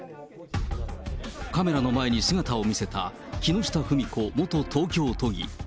カメラの前に姿を見せた木下富美子元東京都議。